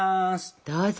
どうぞ。